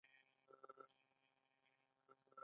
ایا کله مو شری درلوده؟